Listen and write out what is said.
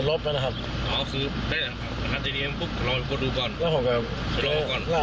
ครับพลิกมาพลิกมาพลิกมาลาดไกลไปไหนรูตัวล่ะเป็นแบบหัวตัวนะครับ